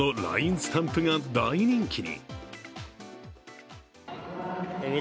スタンプが大人気に。